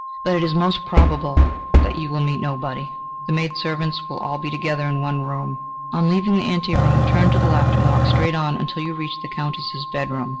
But it is most probable that you will meet nobody. The maidservants will all be together in one room. On leaving the ante room, turn to the left, and walk straight on until you reach the Countess's bedroom.